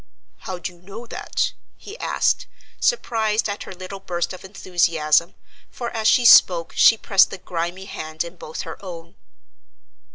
"How do you know that?" he asked, surprised at her little burst of enthusiasm, for as she spoke she pressed the grimy hand in both her own.